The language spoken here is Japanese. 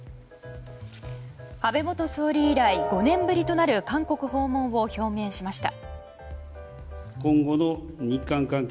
安倍元総理以来５年ぶりとなる韓国訪問を表明しました。